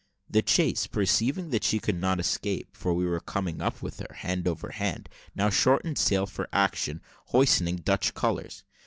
The chase, perceiving that she could not escape for we were coming up with her, hand over hand, now shortened sail for action, hoisting Dutch colours.